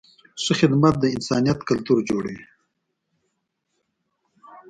ښه خدمت د انسانیت کلتور جوړوي.